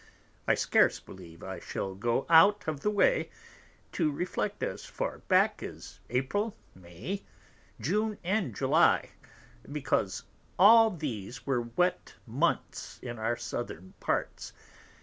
I scarce believe I shall go out of the way, to reflect as far back as April, May, June and July; because all these were wet Months in our Southern Parts.